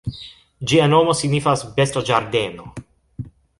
Ĝia nomo signifas "bestoĝardeno".